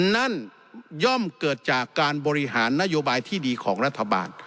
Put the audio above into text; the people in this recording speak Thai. นั่นย่อมเกิดจากการบริหารนโยบายที่ดีของรัฐบาล